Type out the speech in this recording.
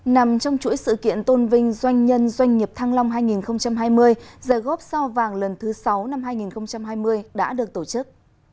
nằm trong chuỗi sự kiện tôn vinh doanh nhân doanh nghiệp thăng long hai nghìn hai mươi giải góp sao vàng lần thứ sáu năm hai nghìn hai mươi đã được tổ chức